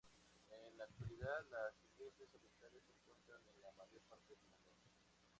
En la actualidad las Iglesias orientales se encuentran en la mayor parte del mundo.